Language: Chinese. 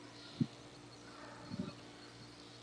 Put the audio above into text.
地质遗址全球网络。